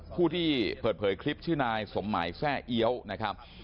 ผู้ที่เปิดเผยคลิปชื่อนายสมหมายแทร่เอี๊ยวนะครับ